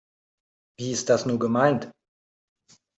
Wie ist das nur gemeint?